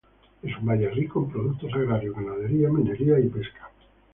Es un valle rico en productos agrarios, ganadería, minería y pesca.